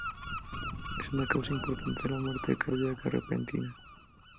Es una causa importante de muerte cardíaca repentina.